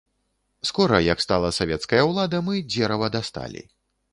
Скора, як стала савецкая ўлада, мы дзерава дасталі.